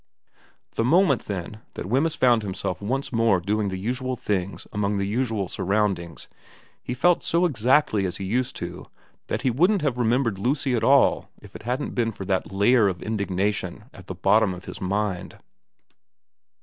The moment, then, that Wemyss found himself once more doing the usual things among the usual surround ings, he felt so exactly as he used to that he wouldn't have remembered Lucy at all if it hadn't been for that layer of indignation at the bottom of his mind.